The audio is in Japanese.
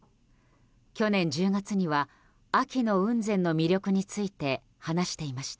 去年１０月には秋の雲仙の魅力について話していました。